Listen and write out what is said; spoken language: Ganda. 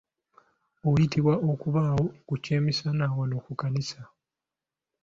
Oyitibwa okubawo ku kyemisana wano ku kkanisa..